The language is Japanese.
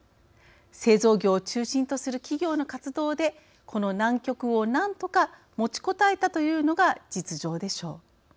製造業を中心とする企業の活動でこの難局を何とかもちこたえたというのが実情でしょう。